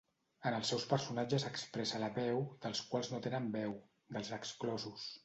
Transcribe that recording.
En els seus personatges expressa la veu dels quals no tenen veu, dels exclosos.